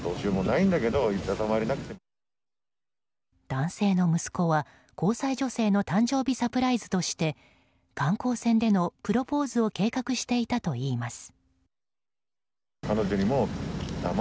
男性の息子は、交際女性の誕生日サプライズとして観光船でのプロポーズを計画していたといいます。